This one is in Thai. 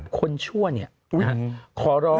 ชั่วเนี่ยขอร้อง